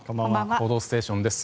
「報道ステーション」です。